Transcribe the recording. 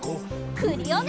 クリオネ！